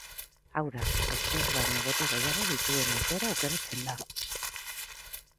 Hau da, besteek baino boto gehiago dituen aukera aukeratzen da.